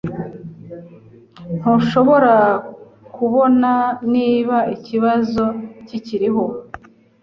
Ntushobora kubona niba ikibazo kikiriho?